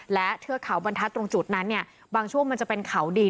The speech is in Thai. และเทือกเขาบรรทัศน์ตรงจุดนั้นเนี่ยบางช่วงมันจะเป็นเขาดี